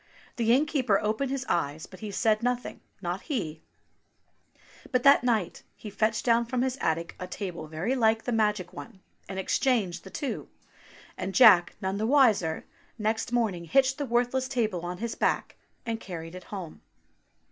The innkeeper opened his eyes, but he said nothing, not he ! But that night he fetched down from his attic a table very like the magic one, and exchanged the two, and Jack, none the wiser, next morn ing hitched the worthless table on to his back and carried it home.